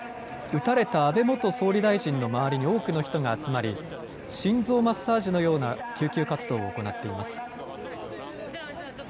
撃たれた安倍元総理大臣の周りに多くの人が集まり心臓マッサージのような救急活動を行っています。